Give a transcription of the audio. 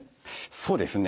そうですね。